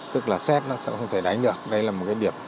tức là xét nó sẽ không thể đánh được